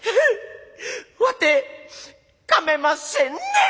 『わてかめませんねん』」。